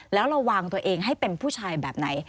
แล้วระวังตัวเองให้เป็นผู้ชายแบบไหน